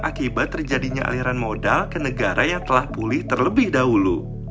akibat terjadinya aliran modal ke negara yang telah pulih terlebih dahulu